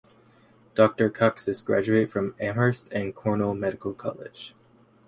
Doctor Kocsis graduated from Amherst and Cornell Medical College.